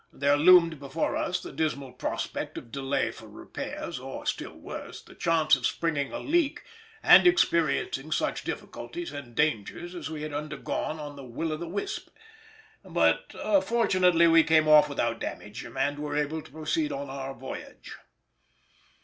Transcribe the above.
There loomed before us the dismal prospect of delay for repairs, or, still worse, the chance of springing a leak and experiencing such difficulties and dangers as we had undergone on the Will o' the Wisp, but fortunately we came off without damage and were able to proceed on our voyage.